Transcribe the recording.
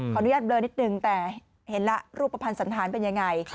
อนุญาตเบลอนิดนึงแต่เห็นแล้วรูปภัณฑ์สันธารเป็นยังไง